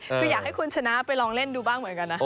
คืออยากให้คุณชนะไปลองเล่นดูบ้างเหมือนกันนะ